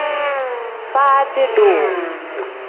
Faadi-duu.